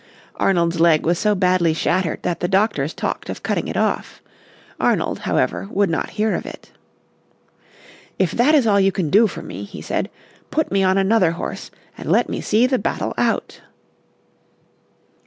Arnold's leg was so badly shattered that the doctors talked of cutting it off. Arnold, however, would not hear of it. "If that is all you can do for me," he said, "put me on another horse and let me see the battle out."